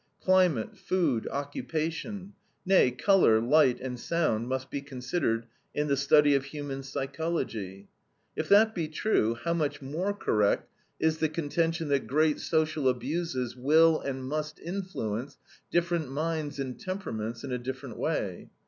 Climate, food, occupation; nay, color, light, and sound must be considered in the study of human psychology. If that be true, how much more correct is the contention that great social abuses will and must influence different minds and temperaments in a different way.